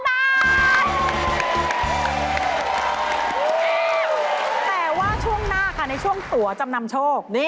แต่ว่าช่วงหน้าค่ะในช่วงตัวจำนำโชค